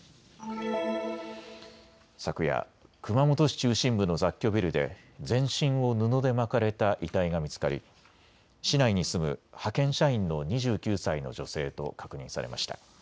昨夜、熊本市中心部の雑居ビルで全身を布で巻かれた遺体が見つかり市内に住む派遣社員の２９歳の女性と確認されました。